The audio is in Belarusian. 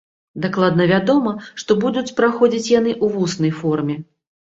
Дакладна вядома, што будуць праходзіць яны ў вуснай форме.